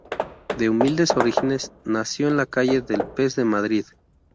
De humildes orígenes, nació en la calle del Pez de Madrid.